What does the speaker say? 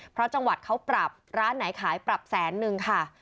เพราะจังหวัดเขาปรับร้านไหนขายปรับแสนนึงค่ะ